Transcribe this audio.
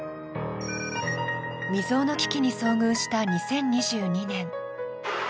未曾有の危機に遭遇した２０２２年。